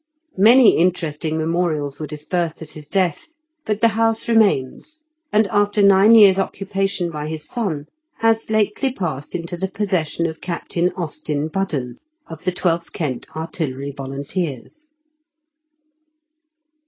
Many interesting memorials w^ere dispersed at his death, but the house remains, and, after nine years' occupation by his son, has lately passed into the possession of Captain Austin Budden, of the 12th Kent Artillery Volunteers.